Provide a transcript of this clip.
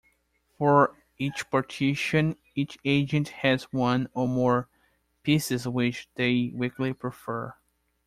For each partition, each agent has one or more pieces which they weakly prefer.